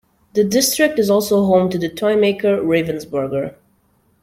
The district is also home to the toymaker Ravensburger.